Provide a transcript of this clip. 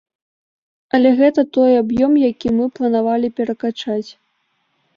Але гэта той аб'ём, які мы планавалі перакачаць.